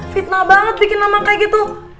fitnah banget bikin nama kayak gitu